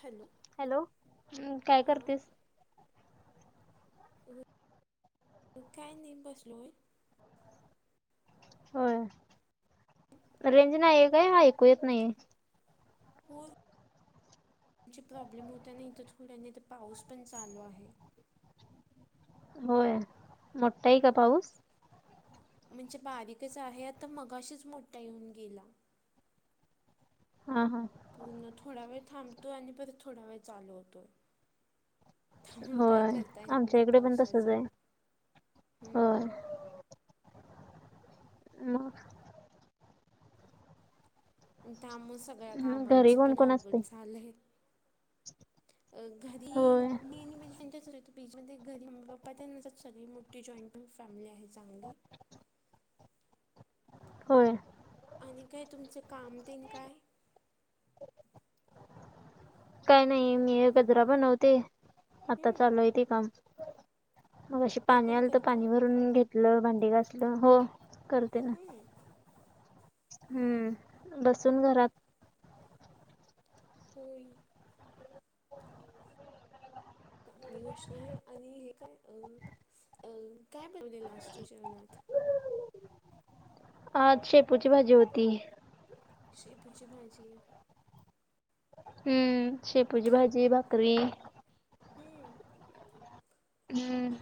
Hello hello हा काय हां करतेस. काय नाही बसलोय. होय रेंज नाही काय हा ऐकू येत नाही. हो रेंजचा प्रॉब्लेम होता नाही तर थोड्यानी तर पाऊस पण चालू आहे. होय मोठा आहे का पाऊस. म्हणजे बारीकच आहे आता मगाशीच मोठा येऊन गेला. हा हा थोडा वेळ थांबतो आणि परत थोडा वेळ चालू होतो. त्यामुळें काय होय करता येत आमच्या नाही इकडे पण तसच पावसाचं. आहे होय हम्म मग त्यामुळें सगळ्या मग घरी कामांचं कोण पण कोण असते? अवघड झालंय. अ घरी होय. मी आणि म्हणजे त्यांच्याच राहतो [inaudible] बीचमध्ये घरी मम्मी पप्पा ते न सगळेत मोठी जॉईंट फॅमिली आहे चांगली. होय आणि काय तुमचं काम ते न काय. [inaudible] काय नाही मी गजरा बनवते, आता हम्म चालू ते काम. मगाशी ते पाणी पण आलंत करता पाणी भरून घेतलं भांडी घासलं हो करत हम्म, हम्म बसून घरात होय चांगली गोष्ट आहे आणि हे काय काय बनवले आज तु जेवनात. आज शेपूची भाजी होती. शेपुची भाजी. हम्म शेपूची भाजी भाकरी. हम्म हम्म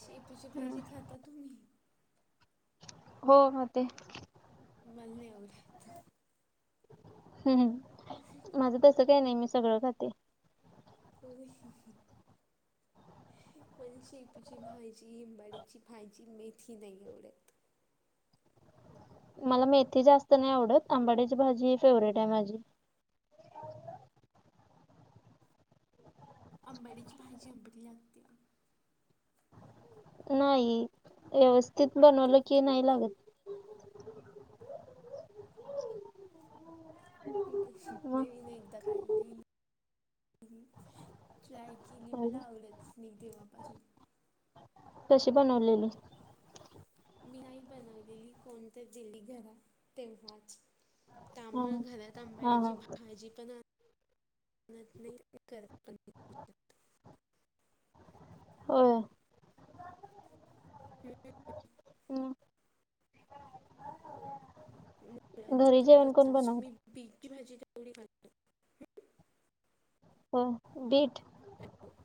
शेपुची हम्म भाजी खाता तुम्ही. हो खाते मल नाही आवडत. हम् माझं तसं काही नाही मी सगळं खाते. तशी [inaudible] मला शेपुची भाजी, अंबाडीची भाजी, मेथी नाही आवडत. मला मेथी जास्त नाही आवडत. आंबाडीची भाजी ह फेवरेट आहे माझी- अंबाड्याची भाजी आंबट लागत्या. नाही व्यवस्थित बनवलं की नाही लागत. मग नाही मी एकदा खाल्लेली. ट्राय केली होय मला गं. आवडत नाही तेव्हापासून कशी बनवलेली. मी नाही बनवलेली, कोणी तरी दिली घरात तेव्हाच हा त्यामुळे घरात हा आंबाड्याची हा भाजी पण आनत नाही करत पण नाही. होय हम् मु घरी जेवण कोण तसंच बनवत मी बीची भाजी तेवढी खा [inaudible] हो बीट हो [inaudible]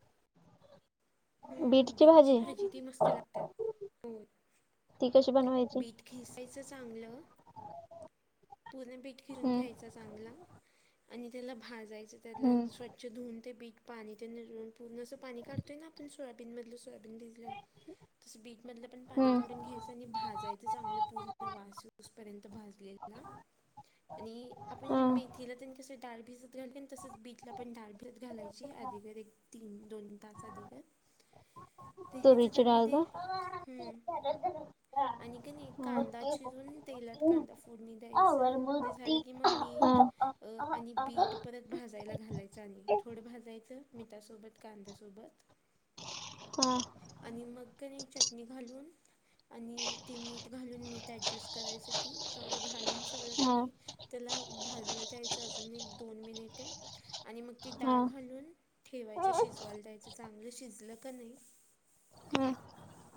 हम्म, बीटची भाजी ती मस्त लागत्या हो, ती कशी बनवायची बीट खिसायचं चांगलं. पूर्ण बीट घिऊन हम्म घ्यायचाच. चांदला आणि त्याला भाजायचं त्याला हम्म स्वच्छ धुवून ते बीठ. पाणी ते निून पूर्ण असं पाणी काढतोय ना आपण सोयाबीन मधलं सोयाबीन दि ''--'' ला तस बीट मधलं पण पाणी हम्म काढून घ्यायच. आणि भाजयचं चांगलं पूर्ण वासूस पर्यंत भाजलेला ना. आणि आपण हा मेथीला त्यां कसं डाळ भिजत घालली तसच बीटला पण डाळ भिजत घालायची. ची अधिकर एक तीन दोन तास अधिकर. ते ह्यायचं तुरीची डाळ त्यामध्ये का हम्म, आणि का नाही कांदा चिरून तेलात हं. कांदा फोडणी द्यायच ते झाले की, की मी मीठ, हम्म. अ आणि बीट परत भाजायला घालायचं आणि हम्म. थोडं भाजायचं मिठासोबत कांद्यासोबत. काय. आणि मग नाही चटणी घालून. आणि ती मीठ घालून मीठ ऍडजस्ट करायसाठी तेवढं घालून सगळं क हम्म. नाय. त्याला भाजलं दयचं अजून एक दोन मिनिट आणि मग ती डाळ घालून. ठेवायचं शिजवायला द्यायचं चांगलं शिजलं का नाही. हम.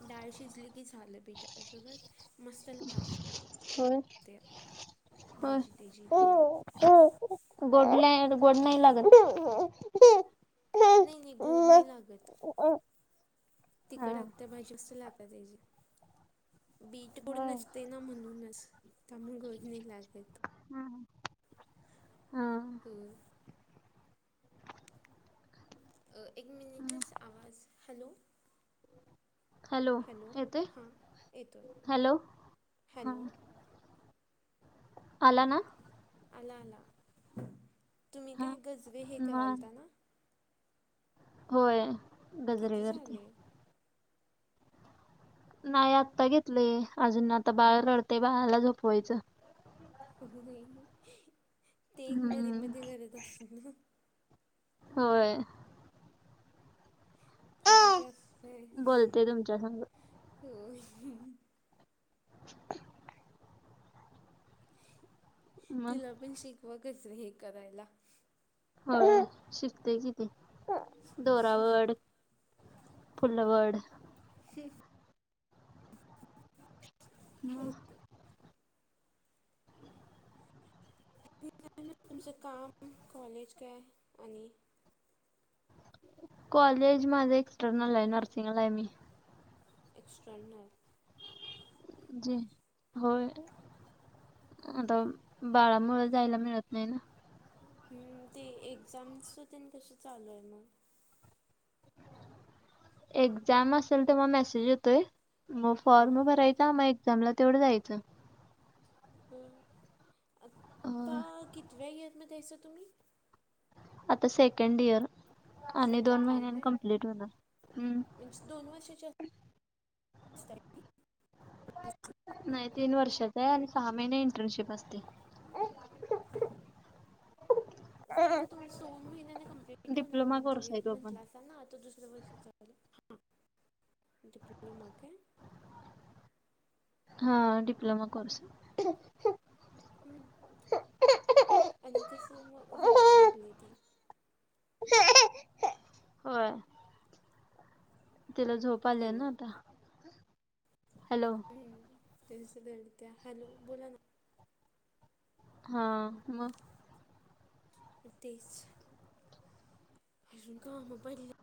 डाळ शिजली की, झालं बीटा त्यासोबत मस्त लागतंय. होय होय. भाजी त्याची होय हो गोड गोड नाही लागत. नाही नाही गोड नाही लागत होय. हा. तिकड लागतं भाजी कसं लागते त्याची. बीट गोड हा. नसते ना म्हणूनच त्यामुळे गोड नय लागत. हा हा, होय. एक मिनिटच आवाज हॅलो, हॅलो येतोय हां येतो हॅलो हा, हॅलो आला ना, आला आला तुम्ही हा काय गजवे हे मग करालता ना, होय. गजरे किती करते झाले. नाही आता घेतले अजून आता बाळ रडते बाळाला झोपवायचं. अगं बाई एक मधी हम्म मध्ये करत अस ना, होय. तसंच असतय बोलते तुमच्या संग होय. मग तिला पण शिकवा गजरे हे करायला. होय शिकतेय किती दोरावड. पुलवड. हे [inaudible] म, ते काय मग तुमचं काम कॉलेज काय आणि. कॉलेज माझ एक्सटर्नल आहे. नर्सिंगला आहे मी'' एक्स्टर्नल. जी, होय. आता बाळामुळे जायला मिळत नाही ना. हम्म, ते एक्झामस च तेन कसं चालू आहे मग? एक्झाम असेल तर मग मेसेज येतोय, मग हं, फॉर्म भरायचा मग जामलं तेवढं जायचं. ह, आता अ कितव्या इयरमध्ये हयासा तुम्ही? आता सेकंड इयर आणि दोन सेकंड इयर महिन्यांनी काय कमप्लीट होणार. म्हणजे दोन वर्षाच्या नाही तीन वर्षाचा आहे आणि सहा महिने इंटर्नशिप असते. खरं तर तुमच दोन महिन्याने कंप्लिन्ट होणार डिप्लोमा कोर्स मंथली, आहे तो पण मंथला त्यांना आता दुसरं वर्ष चाललं हा, तिकलं काय [unintelligible] हा डिप्लोमा कोर्स. हम् आणि कसंय मग रडाय लागलेय ती. होय. तिला झोप आलीये ना हॅलो आता, हॅलो? ते नुसता [unintelligible] डत्या, हॅलो बोला ना हा मग? तेच. अजून कामं पडल्या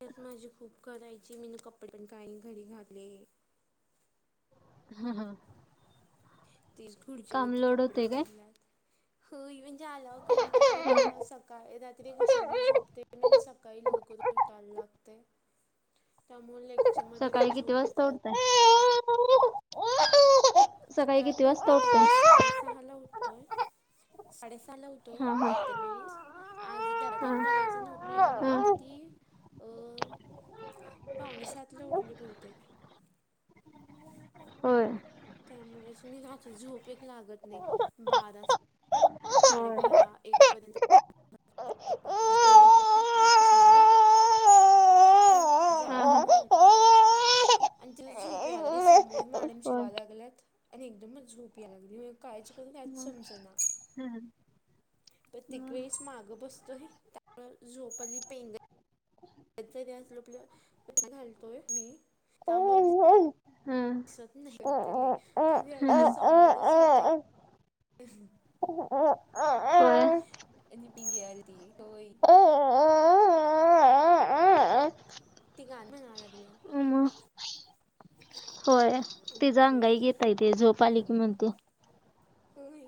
[unintelligible] माझी खूप. करायची मी न कपडे पण काही नाई घडी घातले. [unintelligible] तेच काम खुर्चीवरती लोड कपडे होते काय पडल्यात, होय म्हणजे आल्यावर कंटाळा येतोय ना सग काय रात्री उशीरनं झोपते मी [unintelligible] सकाळी लवकर उठायला लागतय. त्यामुळे लेक्चर मध्ये सकाळी पण किती झोप वाजता येतात. उठताय सकाळी किती वाज उठतो? सहाला उठतोय, साडेसहाला उठ [unintelligible] तुम्ही हा हा प्रत्येक वेळी आज [unintelligible] हा करायच नव्हतं. हा म्हणून किती, अं पाऊणे सातला उठले बहुतेक. होय. त्यामुळेच रात्री झोप एक लागत नाही, बारास साडेबारा एक होय पर्यंत हा [unintelligible] असतो [unintelligible] बसलेले. चल जारा हा [unintelligible] होय आणि तिला झोप याय लागली समोर हम्म मॅडम शि [unintelligible] द्यायला लागल्यात. आणि एकदमच झोप यायला लागली काहीच म्हणजे काहीच समजेना. ह ह प्रत्येक वेळेस मागं बसतोय त्यामुळं झोप आली पेंगाय [unintelligible] असलो आपलं [unintelligible] घालतोय मी त्यामुळे होय दिसत नाही, होतंय लई खरं या वेळी समोरच होते. [unintelligible] पण [unintelligible] ती गाणं म्हणाय लागल्या. होय तिचं अंगाई गीत हाय तेे झोप आली की म्हणतो. होई.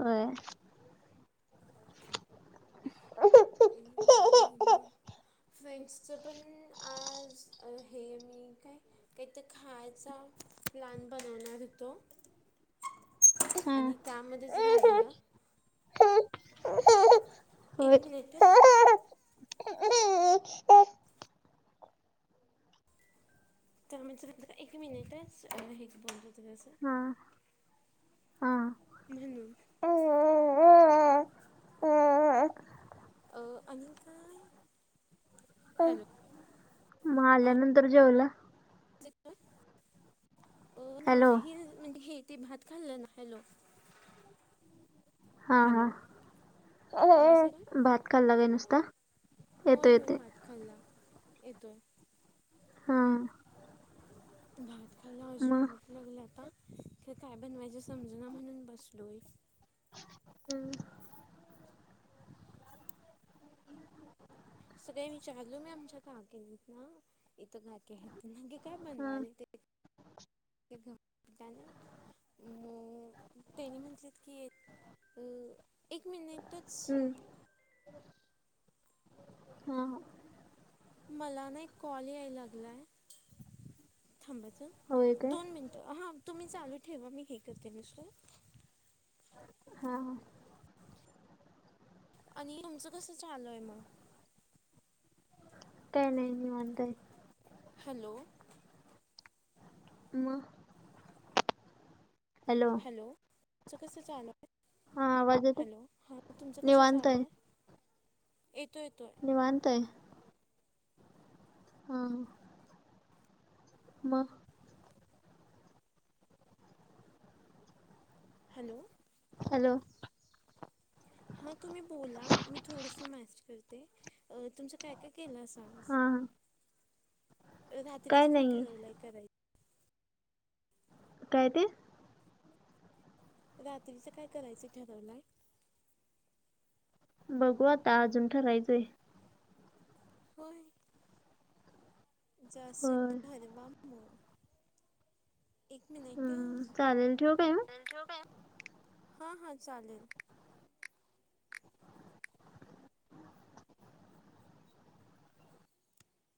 होय. [unintelligible] फ्रेंड्सचं पण आज हे मी काय? एक तं खायचा प्लॅन बनवणार होतो. हा आणि मध्येच राहिलं. एक मिनिट हं. होय हा तर म्हणे का एक मिनिटच हे बघून येतो जरासं. हा हम. आ- आणि काय? हॅलो आवाज आल्यानंतर जेवला? येतोय अ - हॅलो नाही म्हणजे हे ते भात खाल्लं ना. हॅलो! हा हा हॅलो! आवाज येतोय. भात खाल्ला बाई नुसता. येतो होय होय येते भात खाल्ला. येतोयं. हां. भात खाल्लं अजून मग हा भूक लागल्या आता खरं काय बनवायच समजना म्हणून बसलोय. सकाळी विचारलो मी आमच्या काकिंना. इथ काकी आहेत. नक्की काय हम्म. [unintelligible] मग तेनी म्हटलेत की एक मिनिटच हा हा. मला ना एक कॉल यायला लागलायं थांबा चं. होय काय दोन मिनिटं हा तुम्ही चालू ठेवा मी हे करते नुसतं. हा हा. आणि तुमचं कसं चालूय मग? काय नाही. मग. निवांत हाय. हॅलो! मग. हॅलो! हॅलो! तुमचं कसं चालू हाय? हा आवाज येतो हॅलो! हा तुमचं कसं निवांत चालू आहे हाय. येतोय - येतोय. निवांत हाय. हा हा. मग. हॅलो! हॅलो! हा तुम्ही बोला मी थोडसं मॅसेज करते. अ- तुमचं काय काय केलं सांग. हा हा रात्रीचं काय ठरवलंय करायचं. काय ते. रात्रीचं काय करायचं ठरवलाय. बघू आता, अजून ठरायचंय. होय, जास्त होय. [unintelligible] ठरवा मग एक मिनिट हम्म. चालेल ठेवू काय मग? हा, हा हा चालेल.